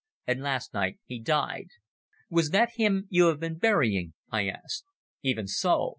And last night he died." "Was that him you have been burying?" I asked. "Even so.